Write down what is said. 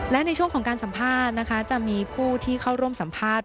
และในช่วงของการสัมภาษณ์นะคะจะมีผู้ที่เข้าร่วมสัมภาษณ์